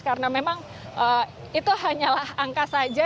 karena memang itu hanyalah angka saja